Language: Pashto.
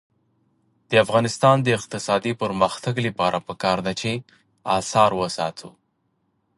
د افغانستان د اقتصادي پرمختګ لپاره پکار ده چې اثار وساتو.